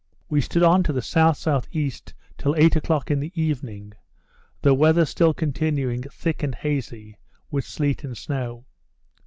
We stood on to the S.S.E. till eight o'clock in the evening, the weather still continuing thick and hazy, with sleet and snow.